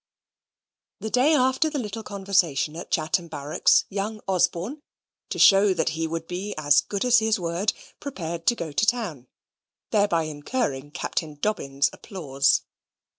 The day after the little conversation at Chatham barracks, young Osborne, to show that he would be as good as his word, prepared to go to town, thereby incurring Captain Dobbin's applause.